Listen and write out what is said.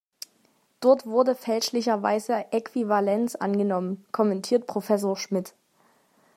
Dort wurde fälschlicherweise Äquivalenz angenommen, kommentiert Professor Schmidt.